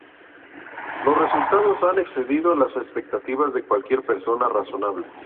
Los resultados han excedido las expectativas de cualquier persona razonable.